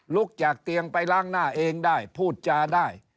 จากเตียงไปล้างหน้าเองได้พูดจาได้